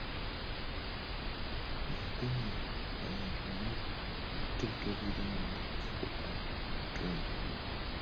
Bikume awantu naye ate tobirinda kufuuka ntuumu.